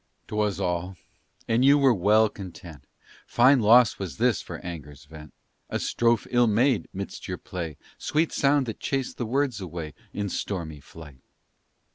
'Twas all, and you were well content. Fine loss was this for anger's vent A strophe ill made midst your play, Sweet sound that chased the words away In stormy flight.